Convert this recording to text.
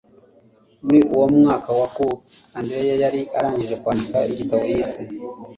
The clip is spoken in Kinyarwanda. muri uwo mwaka wa , coupez andereya yari arangije kwandika igitabo yise